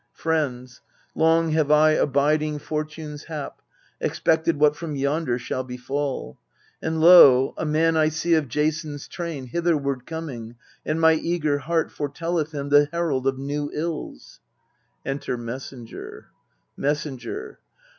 Friends, long have I, abiding Fortune's hap, Expected what from yonder shall befall. And lo ! a man I see of Jason's train Hitherward coming, and my eager heart Foretelleth him the herald of new ills. Enter MESSENGER Messenger.